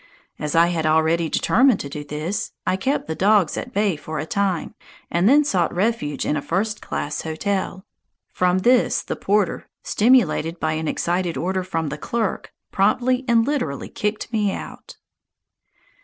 As I had already determined to do this, I kept the dogs at bay for a time, and then sought refuge in a first class hotel; from this the porter, stimulated by an excited order from the clerk, promptly and literally kicked me out!